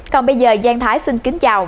còn bây giờ giang thái xin kính chào